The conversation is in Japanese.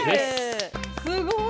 すごい！